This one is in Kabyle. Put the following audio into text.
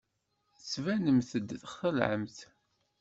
Tettbanemt-d txelɛemt.